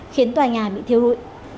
khiến tòa nhà bị thiếu rụi